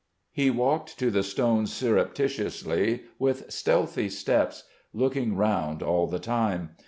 He walked to the stone surreptitiously, with stealthy steps, looking round all the time.